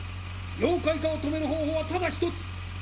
妖怪化を止める方法はただ一つ！